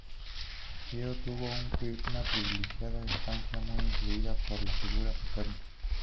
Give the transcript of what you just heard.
Diego tuvo una privilegiada infancia muy influida por la figura paterna.